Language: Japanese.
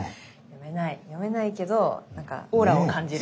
読めない読めないけどなんかオーラを感じる。